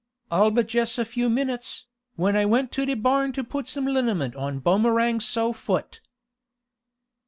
"All but jes' a few minutes, when I went to de barn to put some liniment on Boomerang's so' foot."